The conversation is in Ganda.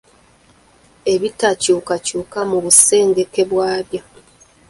Ebitakyukakykuka mu busengeke bwabyo.